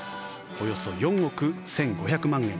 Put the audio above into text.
およそ４億１５００万円。